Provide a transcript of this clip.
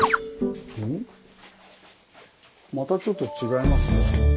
またちょっと違いますよ。